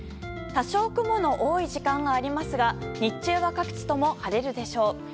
多少、雲の多い時間がありますが日中は各地とも晴れるでしょう。